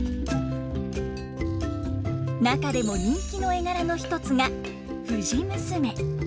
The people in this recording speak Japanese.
中でも人気の絵柄の一つが藤娘。